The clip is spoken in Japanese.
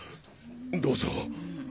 どうぞ。